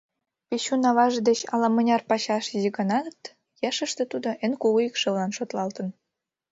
Печун аваж деч ала-мыняр пачаш изи гынат, ешыште тудо эн кугу икшывылан шотлалтын.